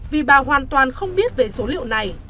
vì bà hoàn toàn không biết về số liệu này